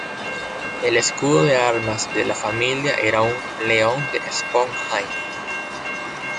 El escudo de armas de la familia era un "León de Sponheim".